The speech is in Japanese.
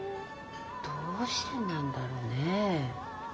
どうしてなんだろうね？